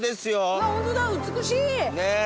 うわっホントだ美しい！ねぇ。